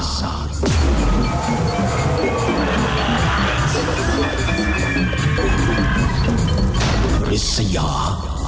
ฤทธิ์สยา